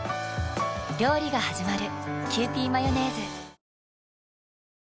料理がはじまる。